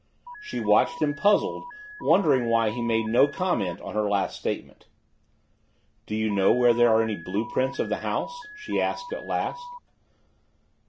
She watched him, puzzled, wondering why he made no comment on her last statement. "Do you know where there are any blue prints of the house?" she asked at last.